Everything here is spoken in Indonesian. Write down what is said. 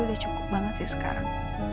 udah cukup banget sih sekarang